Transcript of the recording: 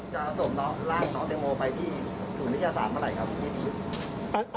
จะส่งร้านหนอเต็งโมไปที่ศูนย์วิทยาศาสตร์เมื่อไหร่ครับ